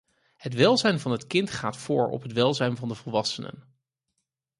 Het welzijn van het kind gaat voor op het welzijn van de volwassenen.